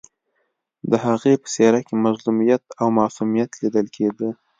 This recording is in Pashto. د هغې په څېره کې مظلومیت او معصومیت لیدل کېده